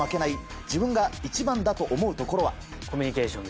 コミュニケーション。